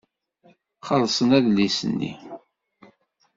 Xellṣen adlis-nni.